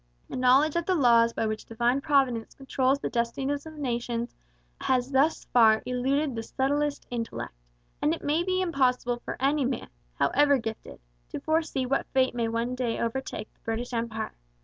A knowledge of the laws by which Divine Providence controls the destinies of nations has thus far eluded the subtlest intellect, and it may be impossible for any man, however gifted, to foresee what fate may one day overtake the British Empire.